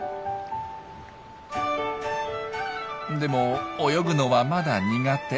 でも泳ぐのはまだ苦手。